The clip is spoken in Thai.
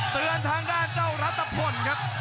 เตือนทางด้านเจ้ารัตภัณฑ์ครับ